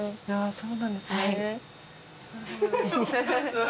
そうなんですね。